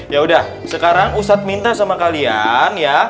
yaudah sekarang ustadz minta sama kalian ya